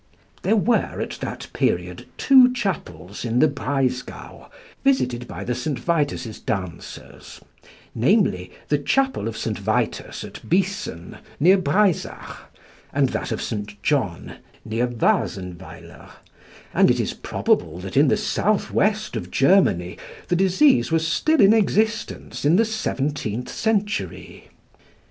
There were at that period two chapels in the Breisgau visited by the St. Vitus's dancers; namely, the Chapel of St. Vitus at Biessen, near Breisach, and that of St. John, near Wasenweiler; and it is probable that in the south west of Germany the disease was still in existence in the seventeenth century.